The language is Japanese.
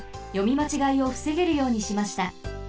まちがいをふせげるようにしました。